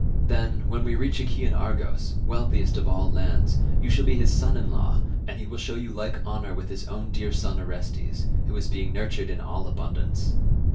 Then, when we reach Achaean Argos, wealthiest of all lands, you shall be his son in law, and he will show you like honour with his own dear son Orestes, who is being nurtured in all abundance.